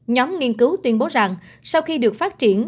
nhóm nghiên cứu tuyên bố rằng sau khi được phát triển